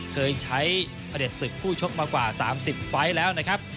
เคยใช้พระเด็จศึกผู้ชกมากว่า๓๐ไฟล์แล้วนะครับ